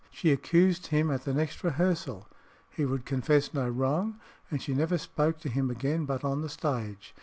She accused him at the next rehearsal, he would confess no wrong, and she never spoke to him again but on the stage.